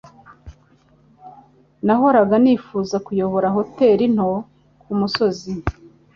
Nahoraga nifuza kuyobora hoteri nto kumusozi